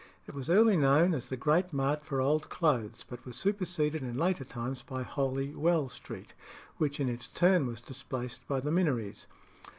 It was early known as the great mart for old clothes, but was superseded in later times by Holy Well Street, which in its turn was displaced by the Minories.